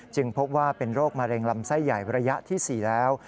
พบว่าเป็นโรคมะเร็งลำไส้ใหญ่ระยะที่๔แล้ว